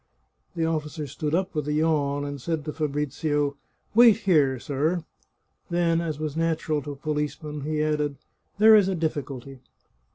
" The officer stood up with a yawn, and said to Fabrizio, " Wait here, sir!" Then, as was natural to a policeman, he added, " There is a difficulty."